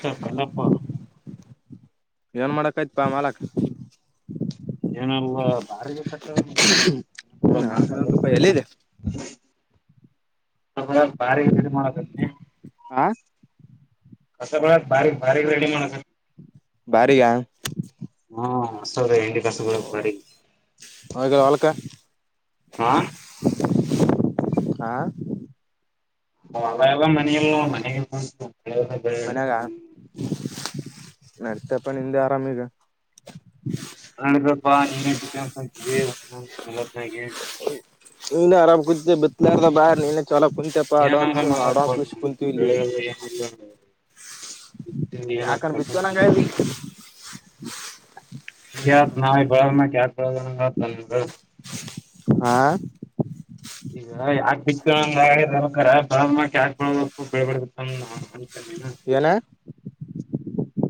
ಅಜಯ್ ಕಣ್ಣಪ್ಪ ಏನ್ ಮಾಡಕ್ ಆಯ್ತ್ಪಾ ಮಾಲಕ್ ಏನವು ಬಾರಿ ಬ ಮಾತ [inaudible] ಹ್ಮಪ ಎಲ್ಲಿದೆ ಬಾರಿ [unintelligible] ಗೆ ಇ ಮಾಡಳ ಆ ಕಸ ಬಾಳೆಕ್ ಬಾರಿಗಿ ಬಾರಿಗಿ ರೆಡಿ ಮಾಡಕತ್ನಿ ಭಾರಿಗಾ ಸ ಹೆಂಡಿ ಕಸ ಬಾಳೆಕ್ ಬಾರಿಗಿ ಹೋಗ ಹೊಲ್ಕ ಹ್ ಹ ಹ ಅವಾಗ ಮನಲ್ಲ ಮನೆು ಮನ್ಯಾಗ ನಡ್ತಪ್ಪ ನಿದೆ ನಾನೀಗ ನಪ್ಪಾ ನೀನ್ಅಂತೀಸಂತ್ನೆ ಇನರಾಮ ಕು ಬಿತಲಾರ ಬಾರ ನೀ ಇ ಚಲ ಕುಂತಪ್ಪ ಏನಾರ ಅಡ್ವಾನ್ಸ್ ಮಲತ್ ಅಡ್ವಾನ್ಸ್ ವಿಷ ಕುಂತ ಇಲ್ಲಿ ಬೆಳೆ ಏನಿಲ್ಲ ಬಿತ್ತಿ ಏನ್ ಯಾಕನ ಬಿತ್ತುವ ಹಾಕ್ಬೇಕಂತ ನ ಅಗೆದೆ ಈಗ ಯ ನ ಬಳ ಕಕಳ [unintelligible] ಆ ಈಗ ಯಾಕೆ ಬಿತವನ್ ಅಗೆದೆ ಕರೆ ಬಳದ ಮೇಕ್ ಯಾಕ ಬಳದು ಬೆಳಬಡ ಏನ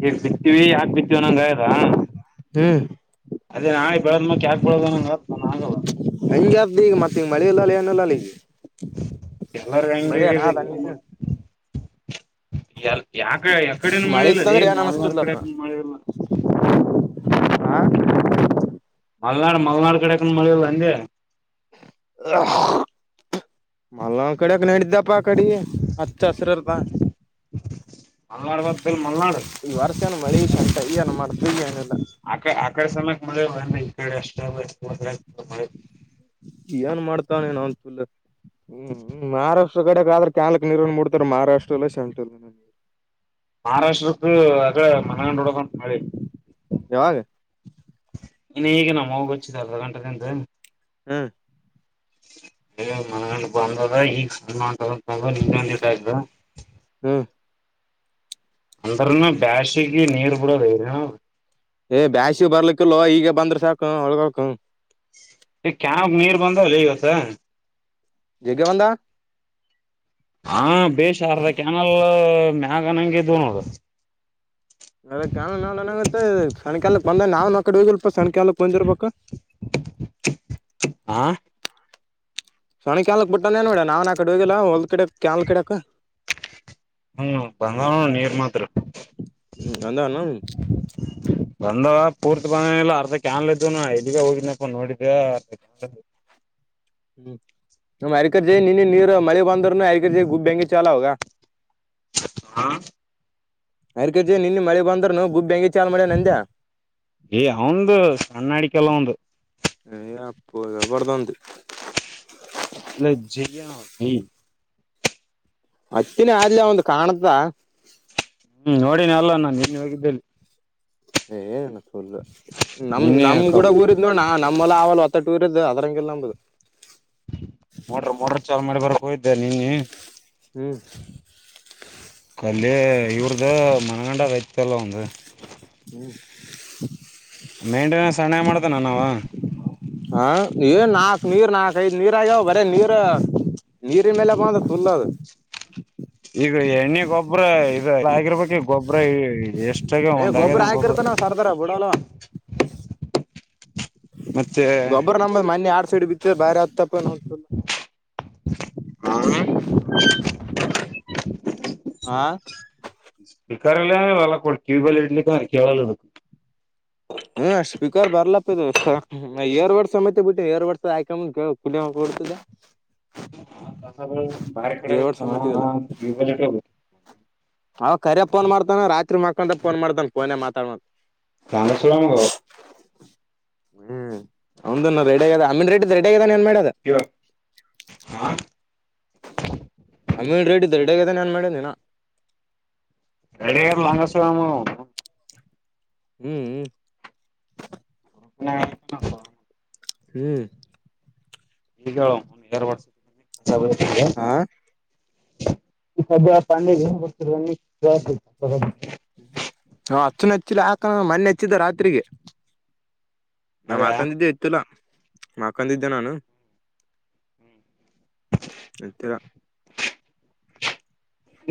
ಈಗ್ ಬಿತ್ತೀವಿ ಯಾಕ ಬಿತ್ತೀವಿ ನಂಗಾಯದ ಹ್ಮ್ ಅದೇ ನಾಳೆ ಬೆಳದ ಮಕಾಕ್ಬಳೋದ ಆಗಲ್ಲ ಇದ ಈಗ ಮತ್ತೆ ಮಳಿ ಇಲ್ಲ ಏ ಇಲ್ಲ ಅ ಈಗ ಎಲ್ಲರು ಹೆಂಗಗೆ ಮಳಿನ ಹಗಿದೆ ಅದಂಗ ಈಗ ಮಾಡ ಯ ಯಾಕ ಯ ಕಡೆನು ಮಳೆ ಮಳಿ ಇಲ್ಲ ರೀ ಇತ್ತಂದ್ರೆ ಏನ್ ಮಲ್ವಾರ ಅನಸ್ತಿದ್ಲಪ್ಪ ಕಡೆಕ ಮಳೆ ಇಲ್ಲ ಹಾ ಮಲ್ನಾಡ್ ಮಲ್ನಾಡು ಕಡೆಕಂದ ಮಳಲ್ಲ ಅಂದಗೆ ಮಲ್ಲೊಂದ್ ಕಡೆಕ್ ನಡಿದ್ದಪ್ಪ ಕಡೆ ಹತ್ತು ಹತ್ರಿರದ ಮಲ್ನಾಡ್ ಗೊತ್ತಿಲ್ ಮಲ್ನಾಡ್ ಈ ವರ್ಷನು ಮಳಿ ಶಂಂತ ಈಏನು ಮಾಡತ ಏನಿಲ್ಲ ಅಡೆ ಸಲ್ಲ ಮ ಇಡೆ ಅಷ್ಟ ಬ. ಹ್ಮ್ಮಾರ. ಕಡೆಗ ಆದ್ರೆ ಕಾಲಕ್ ನೀರನ್ನು ಮೂಡ್ತಾರೆ ಮಹಾರಾಷ್ಟ್ರ ಅಲ್ಲ ಸೆಂಟ್ರಲ್ ನೀರು. ಮಹಾರಾಷ್ಟ್ರಕ ಅ ಮನಗಂಡೋಡದ ಮಳೆ. [unintelligible] ಇನ್ನು ಈಗ ನಮ್ಮಗಚ್ಚಿದೆ ಅರ್ಧ ಗಂಟೆದಿಂದ. ಹ್ಮ್. ಬಂದದ ಈಗ ಸಮ. ಮಗ ನಿನ್ನ ಒಂದ ಆ. ಹ್ಮ್ ಅಂದ್ರನು ಬ್ಯಾಶಿಗೆ ನೀರ್ ಬಿಡೋದ ಐರಿನ ಏ ಬ್ಯಾಸಿ ಬರ್ಲಿಕ್ಕಲ್ ಈಗ ಬಂದ್ರ ಸಾಕು ಹೊಳ್ಗಕ ಕಾವಕ್ ನೀರ್ ಬಂದುಲಗಸ. ಜಗ ಬಂದ. ಹಾ ಬೇಷಾರದ ಕ್ಯಾನಲ್ ಮ್ಯಾಗನಂಗಗೆ ದೂನ್ ಹದು. ಅದ ನಾವ ನನಂಗ ಸಣ್ಣಕಾಲಕ್ ಬಂದ ನಾವ್ ನ ಕಡೆ ಹೋಗಲ್ಪ ಸಣ್ಣಕಾಲಕ್ ಬಂದಿರ್ಬೇಕು. [unintelligible] ಆ. ಸೋನಿ ಕಕ್ ಬಿಟ್ಟೇನ್ ನೋಡ ನಾವನ್ ಆ ಕಡೆ ಹೋಗಿಲ್ಲಾ ಹೊಲ್ ಕಿಡಕ್ ಕನ್ಲ್ ಕಿಡಕ್. ಹ್ಮ್ ಬಂಗಾರ ನೀರ್ ಮಾತ್ರ. ಅಂದವನು ಬಂದವ ಪೂರ್ತಿ ಬಂದ ಅರ್ಧ ಕ್ಯಾನ್ಲ್ ಇದ್ದು ನ ಇಲ್ಲಿಗ ಹೋಗನಪ್ಪ ನೋಡಿದ ಅರ್ಧ ಕ್ಯಾನ್ಲ್. [unintelligible] ಹ್ಮ್ ನಮ ಅರಿಕರ್ಜೆ ನಿನ್ನ ನೀರು ಮಳೆ ಬಂದರುನು ಅರಿಕರ್ಜ ಗುಬ್ ಬೆಂಂಗಿ ಚಾಲ ಅವೋಗ. ಹಾ. ಅರ್ಕಜೆ ನಿನ್ನ ನಿ ಮಳೆ ಬಂದ್ನು ಗುಬ್ ಬೆಂಗ. ಏ ಅವಂದು ಕಣ್ಣಾಡಿಕಲ್ಲ ಒಂದು. ಏ ಅಪ್ಪ ಬರ್ದು. ಅಾ ಹೌ. ಹತ್ತಿನ ಆದಲಿ ಒಂದು ಕಾಣತ. ಹ್ಮ್ ನೋಡನಿ ಅಲ್ಲ ನಾನು ನೀನ್ ಹೇೋಗಿದ್ದೇಲ್ಲಿ. ಏ ಸಲ್ ನಮ್ ನಿನ್ನೆ ನಮ್ ಕೂಡ ಊರಿದ್ ನೋಣ್ಣ ನಮ್ಮಲ್ಲ ಆಲ್ಲ. ಟೂರ್ ಇದೆ ಅದರಂಗಲ್ಲದು. ಮೋಟ್ರ ಮೋಟ್ರ ಚಾಲ್ ಮಾಡಿ ಬರ್ಕ್ ಹೋ್ದೆ ನೀನ್ನ. ಹ್ಮ್ ಕಲ್ಲಿ ಈವ್ರ್ದ ಮನಗಂಡ ವ. ಚಲ್ಲ ಉಂದು. ಹ್ಮ್. ಮೇಂಟೆನೆನ್ಸ್ ಸಣೆ ಮಾಡ್ತೇಾನ ನಾವ ಹ ಏನ್ ನಾಕ್ ನೀರ್ ನಾಕ್ ಐತ್ ನೀರ್ ಆಗ್ಯಾವ ಬರೇ ನೀರ್. ನೀರಿನ ಮೇಲೆ ಬಂದ ಫುಲ್ ಅದು. ಈಗ ಎಣ್ಣೆ ಗೊಬ್ಬ್ರ ಇ ಆಗಿರ್ಬೇಕು ಗೊಬ್ಬರ ಎಷ್ಟ. ಏ್ ಗೊಬ್ಬ್ರ ಹಾಕಿರ್ತಾನ ಸರ್ದಾರ ಬಿಡಲ್ವ. ಮತ್ತೆ ಒಬ್ಬರು ನಮ್ಮ ಮನೆ ಆಡ್ ಸೈಡ್ ಬಿತ್ತ ಬಾರಿ ಆತ್ತ. ನ್ ಹ. ಆ. ಸ್ೀಕಾರಲ್ಲ ಕೊಡ ಕೂಬ್ಬಲ್ಲಡ್ಲ್ಲು. ಹ್ಮ ಅಷ್ಟಪೀಿಕರ್ ಬರ್ಲಪ ಅಷ್ಟಏರ್ ಒಡ್ಸ ಮ ಬಿಟ್ಟ ಏರ್ ಒಡ್ಸ ಆಯಕ ತದ. ಕಸ ಬರೆ ಕಡೆ ಹ ಇಬ. ಅವಖರ್ಯ ಫೋನ್ ಮಾಡ್ತಾನ ರಾತ್ರಿ ಮಕೊಂಡ ಫೋನ್ ಮಾಡತನ್ ಫೋನ ಮಾತಾಡ. ತಾಂದ ಸುರಂಗ. ಹ್ಮ್ ಅವದಾನ ರೆಡಿ ಆಗದ ಅಮೀನ್ ರೆಡಿ ರೆಡಿ ಆಗದಾನೆ. ಕ ಆಾ [unintelligible] ಅಮೀನ್ ರೆಡ್ ದರಡಗದಾನ ಏನ್ ಮಾಡನಿನ. ಎಡ ಲಂಗಸಾಮ. ಹ್ಮ್್ಮ. [inaudible] [unintelligible] ಹ್ಮ್. ಈಗ ಎರ್ ವರ್ಸಸ. ಹಾ ಈ ಸ ಪಂಡ ಗ್ರಹ. ಹಾ ಹಚ್ಚನ ಹಚ್ಚಿಲಿ ಹಾಕಣ ಮನ್ನೆಚ್ಚಿದ್ದ ರಾತ್ರಿಗೆ. ನಾ ಬರ್ತಿರ ಹಕಂದಿದ್ದೆ ಇತ್ತುಲಾ ಹಕಂದಿದ್ದೆ ನಾನು. ಎತ್ತರ.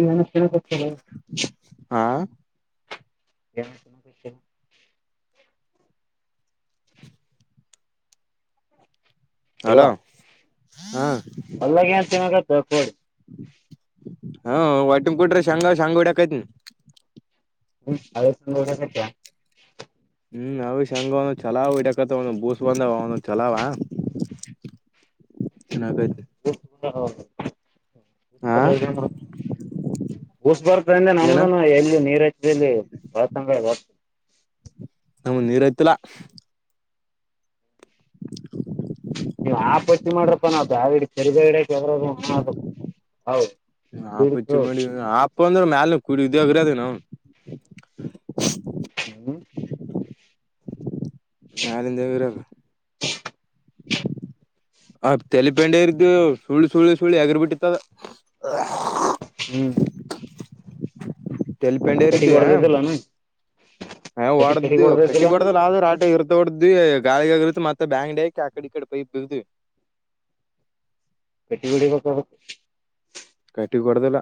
ನ ಕೊತ. ಹಾ ಯ. ಅಲ್ವಾ ಹಲೋ ಹಾ ಅಲ್ಲಗೆಡಿ [unintelligible] ಹಾ ವಾಟುಮಕೋಟರ ಶಂಗ ಶಂಗೋಡ ಕತ್ನ. ಹ್ಮ್ ಅವ ಸಂಗ ಚಲಾವ. ಒ ಬೂಸ್ ಬಂದ ಚಲ. ಬ. ಸ್ ಬರ್ತ ಅಂದ್ರೆ ಏನ ನಮ್ದನು ಎಲ್ಲಿ ನೀರು ಹೆಚ್ಚಲ್ಲಿ ವಾತಂದ ಬರ್ತದೆ. [unintelligible] ಹ ನೀರ್ ಐ್ತಿಲ್ಲ [unintelligible] [unintelligible] ನೀವ್ ಆ ಪತಿಿ ಮಾಡ್ರಪ್ಪ ನಾವುಿ ಸರಿದ ಗಡಕದ್ರದು ಹೌದು. ಹಾ ಪ ದುಡಿತು ಚಿ ಮಾಡ ಆಪ್ಪ ಅಂದ್ರೆ ಮ್ಯಾಲ ಕುಡ ಇದೋಗರದ ನಾವು. ಹ್ಮ್. ನಾಲ ದೇವರರು. [unintelligible] ಆ ತೆಲಿಪೆಂಡೆ ಇರ್್ದು ಸುಳ್ಳು ಸುಳ್ಳು ಸುಳ್ಳು ಎಗರ್ ಬಿಿಟ್ಟಿತ್ತದ. ಹ್ಮ್ ತೆಲಿಪೆಂಡೆ ಕಟಿಗ ಒಡದಿದ್ದಲ್ಲ ನ. ನಾವ ಹೊಡ್ದು ಕಟ್ಟಿ ಕೊಡ್ದಲ್ ಆದ್ರೆ ಆಟ ಇರ್ದ ಹೊಡ್ದು. ್ವಿ ಗಾಳಿಗಾಗಿರುತ್ತ ಮತ್ತೆ ಬ್ಯಾಂಗಡ ಆಾಕ ಆಕಡೆ ಈ ಕಡೆ ಪೈಪ್ ಬಗದ್ವಿ. ಕೆಟ್ಟಿಗಡಕ್ಕ. ಕಟಿ ಕೊಡ್ದಲ್ಲ.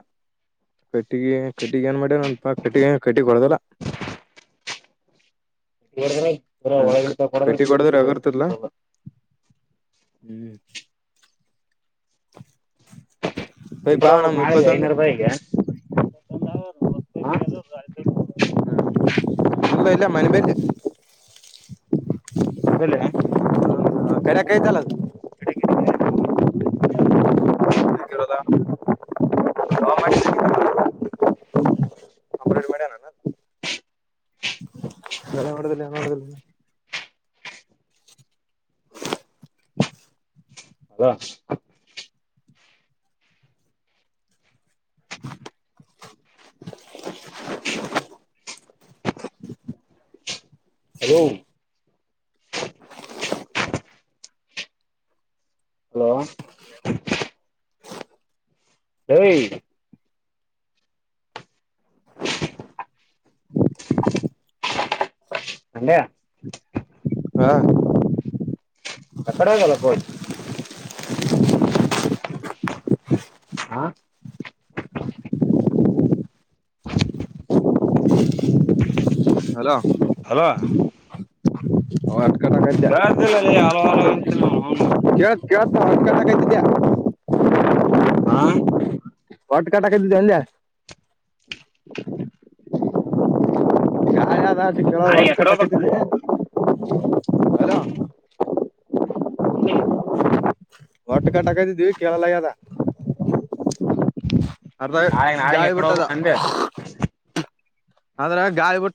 ಕಟ್ಟಿಗೆ ಕಟ್ಟಿಗೆ ಏನ್ ಮಾಡ್ಯ ನನ್ಪಾ ಕಟ್ಟಿಗೆ ಕಟ್ಟಿ ಕೊಡದಲ್ಲ. [unintelligible] ್ರ ಒಳಗ ಕೊಡದ್ರೆ. ಹೊಡದ್ರ ಆಗಿರ್ತದಲ ಹ್ಮ್. ಇಯ್ ಪ ಕೊಡಬೇಕ್ ನಮ್ಮ ನಾಳೆಗೆ ಇಪ್ಪತ್ತೊಂದು ಐನೂರು ರೂಪಾಯಿಗೆ [unintelligible] ಹಾ. ಎಲ್ಲ ಇಲ್ಲ ಮನೆ ಬೇರಿ. ಅದ ಹ ಕರ ಕೈತಲ್ಲ [unintelligible] ಹ [inaudible] ನಡ ನೋಡ್ದಲೇ ನೋಡ್ದ. ಬ [inaudible] ಹಲೋ [inaudible] ಹಲೋ [unintelligible] ರವಿ. ಅಂಡಾ ಹಾ. ಎ ಕಡೆ. [inaudible] ಹ. ಹಾ. ಹಲೋ ಅವ. ಕೇಳುತ್ತಿಲ್ಲಲ್ಲೇ ಹಲೋ ಅಂತಾನೆ ಅವನು. ಕೇೇಳತಾ ಹಕ ಹತಿದ್ಯಾ. ಹಾ. ಹೊಟ್ ಕಟಕಿದ್ದಿದ್ದ ಎಲ್ಲಿ. ಗದ ಅ ಕೆವ ನಾಳೆಗೆ ಒಟ್ಟ ಎಕಡೆ ಕಟ್ಟಕ ಹೋಗ್ಬೇಕು [inaudible] ಬ [inaudible] ಹೊಟ್ಟೆ ಕಟಕತಿದ್ದೀವಿ ಕೆಳಲಾಗಿದೆ [unintelligible] ಅರ್ಧ ನಾಳೆ ನಾಳೆಗೆ ಗಾಳಿ ಎಕಡೆ ಬಿಟ್ಟದ ಹೋಗ್ಬೇಕ್ ಅಂದೆ [unintelligible] ಅದ್ರಾಗ ಗಾಳಿ ಬಿಟ್ಟ.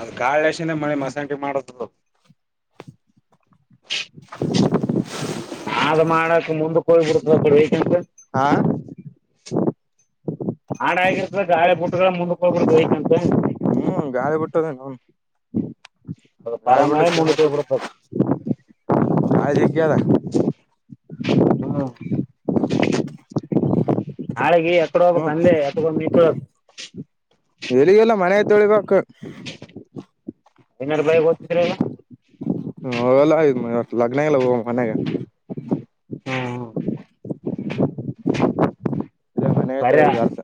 ಅದ ಕಾಳಸನ ಮಳೆ ಮಸಕಿ ಮಾಡದದು. [inaudible] ಆದ ಮಾಡಕ ಮುಂದ ಹೋಗ್ಬಿಡ್ತದ ಕೊಡೆಕಂತ. ಹಾ ಮಾಡಾ ಆಗರ್ತ ಗಾಳಿ ಬುಟ್ಟಗಳ ಮುಂದಕ್ ಹೋಗ್ಬಿಡ್ದು ಬೇಕಂತ. ಹ್ಮ್ ಗಾಾಯಿ ಬಿಟ್ಟದೇ ನ ಅದು ಗಾಯಿ ಪರಮಾಳೆ ಬಿಡ್ಲಿಕ್ಕೆ ಏನ್ ಮುಂದಕ್ ಆಯ್ತಾ. ಹೋಗ್ಬಿಡ್ತದ ಆಯಜಗಲ್ಲ ಹ್ಮ. ನಾಳೆಗೆ ಎಕಡೆ ಹೋಗ್ಬೇಕ್ ಹ್ಮ್ ಅಂದೆ ಎಕ ಮಿತ್ಳಬೇಕ. ಎಲ್ಲಿಗೆಲ್ಲ ಮನೆ ತೊಳಿಬೇಕು. ಇನ್ನಡು ಬಳಗ್ ಹೋಗದ್ತಿದ್ರಲ್ಲ. ಹಲ್ಲ ಲಗ್ನಾಗಲ್ಲ ಹ ಮನೆಗ. ಹ್ಮ್ ಇಲ್ಲೇ ಮನೆ ಬರಿ ತೊಳೆದ್ವಿ ಅರ್ಥ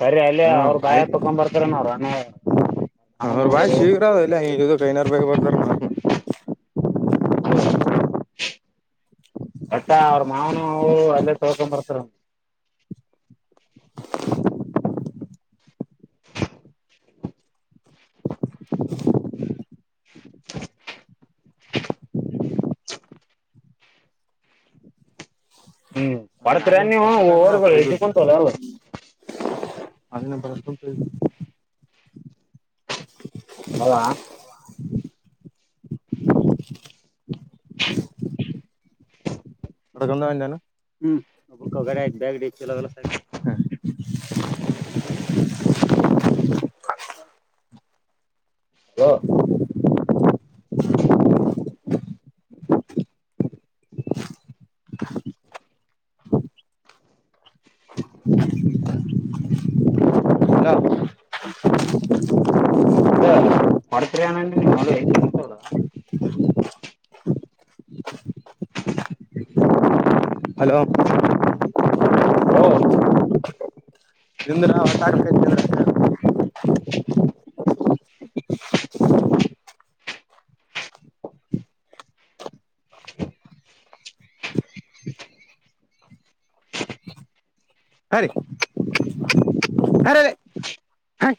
ಬರಿ ಅಲ್ಲ ಅವ್ರ ಹ್ಮ್ ಬಾಯ ತಕೊಂಡ್ ಬರ್ತಾರ ನಾವ್ರಾನ. ಅವ್ರರು ಬಾಯ ಶೀಗ್ರಾವ ಎಲ್ಲ ಈ ಕೈನರ್ ಬೇಕ ಬರ್ತಾರ ಮಾಡೋಡಿ. ಹೌದ ಒಟ್ಟ ಅವ್ರ ಮಾವನು. ಹ ಅಲ್ಲೇ ತೊಳ್ಕೊಂಡ್ ಬರ್ತಾರ. [inaudible] ಹ್ಮ್ ಕೊಡತರಿ ಮ್ಯಾಲಿನ ನೀವು ಕಪ್ಪ ಏನ್ ಹೊರ್ಗ ನೋಡಪ್ಪ ಹೆಜ ಇದು ಕುಂತಲ್ಲ ಅಲ್ಲ. ಅದನ್ನ ಬರ್ಸ್ಕಂಟ. ಹ [unintelligible] ಹೌದಾ [inaudible] ನಡ್ಕಂದೇನು ಹಾ ಬ್ಯಾಗಡಿ ಕೆಲವೆಲ್ಲ ಹಲೋ. ಹಲೋ ಇದ ಕೊಡ್ತರಿ ಏನಂದ ನೀವ್ ಎಲ್ಲ ತಂತ್ರ [unintelligible] ಹಲೋ ಓ ನಿಿಂದ ನಾ ಹೊಟ್ಟ ಹಕ್ತ ಇದತೇ ನ. [unintelligible] ಅರೆ ಅರೆ ಅರೆ ಹ.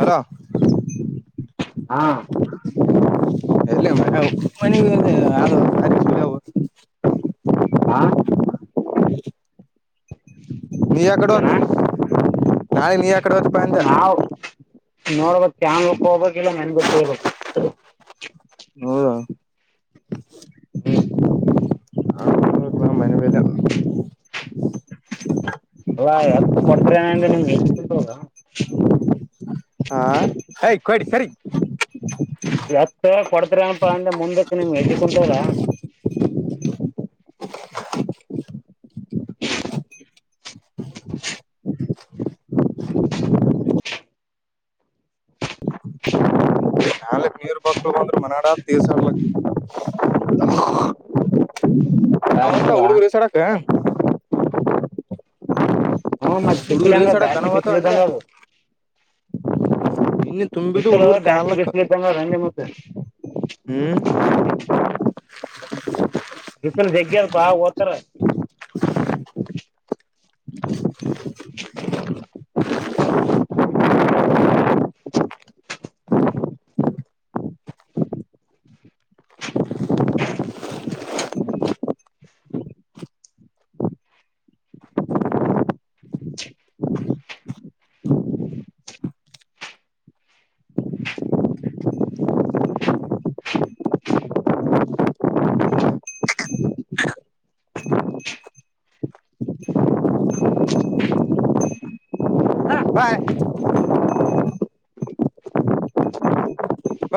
ಹರ. ಹಾ ಎಲ್ಲ ಮ ಉ ಮ ಅ. ಹ. ನೀ ಯಕಡೆ ಏನ ಹೊತ್ತು ನಾಳೆ ನೀ ಆಕಡೆ ಹೊತ್ತು ಪಜ. ನೋಡ್ಬೇಕ ಚಂಗ್ಕ್ ಹೋಗ್ಬೇಕಕ್ ಇಲ್ಲ ಮೆನ್ಗಕ್ ಹೋಗ್ಬೇಕು. ಹೌದಾ. ಹ್ಮ. ಮನೆ ಮೇಲೆ ಅಲ್ಲಾ ಹತ್ತು ಕೊಡ್ತ್ರ ಏ ಅಂದ್ರೆ ನಿಮ್ಗೆ ಹೇಜಿಿಕಂಂತ ಹದ. ಹೇಯ್ ಕೊಡಿ ಸರಿ. ಎತ್ತ ಕೊಡ್ತರಿ ಅನಪ ಅಂದ್ರೆ ಮುಂದಕ್ಕ ನಿಮ್ ಅಜ್ಜಿ ಕುಂತದಾ. [unintelligible] [unintelligible] [inaudible] ನೀರು ಮಕ್ಳು ಬಂದ್ರರು ಮನನಾಡ ತೀರ್ಸಾಡ್ಲಕ್ಕ ಅಲ್ಲಿ ಯಾರ್ ಹೋಗ್ತಾರ ನಿನಗ ಹುಡುಗರು ಇಸ್ಯಾಡಾಕ. ಹ್ಞೂ ಮತ್ ಬಿಸಿಲು ಹುಡುಗುರು ಹೆಂಗ ಇಶಾಡಾಕನ ಬ್ಯಾಸ್ಗಿ ಹೋಗ್ತಾವ ಬಿಸಿಲು ಅಲ್ಲೇ. ಇದ್ದಂಗ ಅದು ಇನ್ನ ತುಂಬಿದು ಬಿಸಿಲು ಹುಡುಗರ್ ಬ್ಯಾಸ್ಗಿ ಕ್ಯಾಲಕ್ಕ. ಬಿಸಿಲು ಇದ್ದಂಗ ಅದು ಅಂದೆ ಮತ್ತೆ ಹ್ಮ್. ಹ್ಞೂ ಫನ್ ಜಗ್್ಯಾರ ಪಾ ಓತಾರ [unintelligible] ಹಾ ಬಾಯ್ ಬಾ